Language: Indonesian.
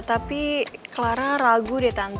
tapi clara ragu deh tante